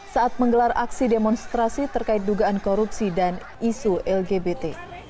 saat menggelar aksi demonstrasi terkait dugaan korupsi dan isu lgbt